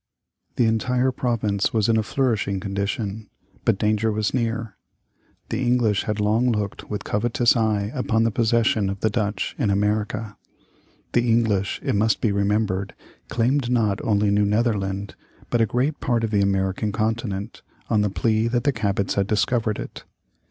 The entire province was in a flourishing condition, but danger was near. The English had long looked with covetous eye upon the possessions of the Dutch in America. The English, it must be remembered, claimed not only New Netherland, but a great part of the American continent, on the plea that the Cabots had discovered it.